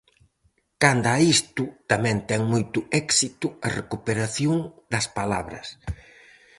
Canda a isto "tamén ten moito éxito a recuperación das palabras".